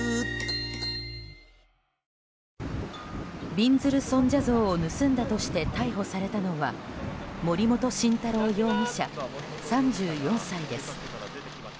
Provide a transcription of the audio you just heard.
びんずる尊者像を盗んだとして逮捕されたのは森本晋太郎容疑者、３４歳です。